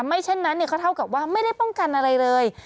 ไม่เช่นนั้นก็เท่ากับว่าไม่ได้ป้องกันอะไรเลย